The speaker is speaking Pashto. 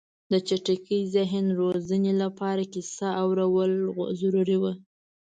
د چټکې ذهني روزنې لپاره کیسه اورول ضروري وه.